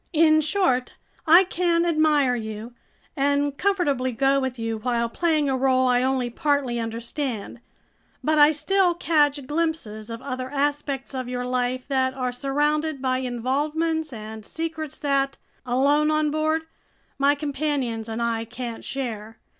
In short, I can admire you and comfortably go with you while playing a role I only partly understand; but I still catch glimpses of other aspects of your life that are surrounded by involvements and secrets that, alone on board, my companions and I can't share.